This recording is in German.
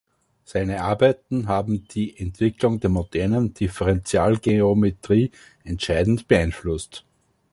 Seine Arbeiten haben die Entwicklung der modernen Differentialgeometrie entscheidend beeinflusst.